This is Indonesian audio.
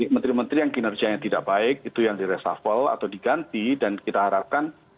menteri menteri yang kinerjanya tidak baik itu yang di resafel atau diganti dan kita harapkan